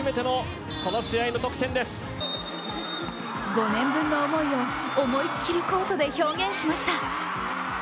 ５年分の思いを思い切りコートで表現しました。